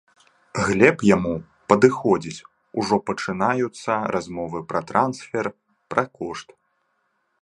Глеб яму падыходзіць, ужо пачынаюцца размовы пра трансфер, пра кошт.